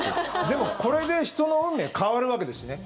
でもこれで人の運命変わるわけですしね。